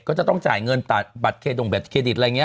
ก็จะต้องจ่ายเงินต่อบัตรเคดิตอะไรอย่างเงี้ย